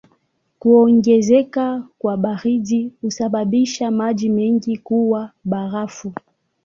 Kuongezeka kwa baridi husababisha maji mengi kuwa barafu.